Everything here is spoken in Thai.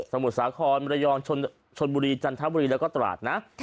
สมุดสาขอมิรยองชนบุรีจันทบุรีแล้วก็ตราส